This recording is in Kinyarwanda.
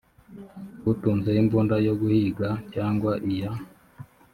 utunze imbunda yo guhiga cyangwa iya